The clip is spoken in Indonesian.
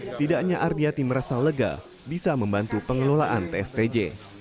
setidaknya ardiati merasa lega bisa membantu pengelolaan tstj